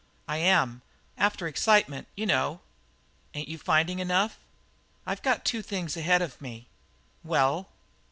"I am. After excitement, you know." "Ain't you finding enough?" "I've got two things ahead of me." "Well?"